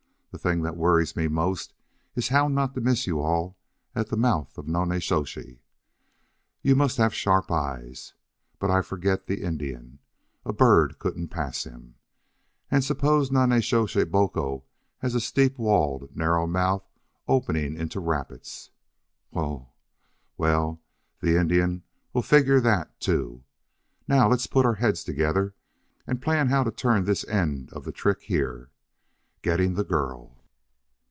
... The thing that worries me most is how not to miss you all at the mouth of Nonnezoshe. You must have sharp eyes. But I forget the Indian. A bird couldn't pass him.... And suppose Nonnezoshe Boco has a steep walled, narrow mouth opening into a rapids!... Whew! Well, the Indian will figure that, too. Now, let's put our heads together and plan how to turn this end of the trick here. Getting the girl!"